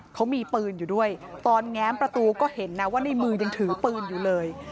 เขามีปืนอยู่ด้วยตอนแง้มประตูก็เห็นนะว่าในมือยังถือปืนอยู่เลย